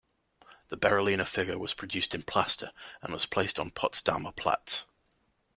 The Berolina figure was produced in plaster and was placed on Potsdamer Platz.